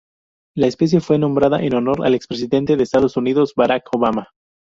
La especie fue nombrada en honor al expresidente de Estados Unidos Barack Obama.